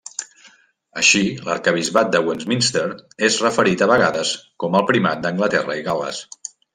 Així, l'arquebisbat de Westminster és referit a vegades com el primat d'Anglaterra i Gal·les.